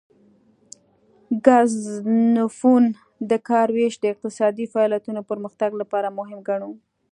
ګزنفون د کار ویش د اقتصادي فعالیتونو پرمختګ لپاره مهم ګڼلو